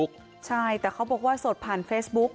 ก่อนที่จะก่อเหตุนี้นะฮะไปดูนะฮะไปดูนะฮะ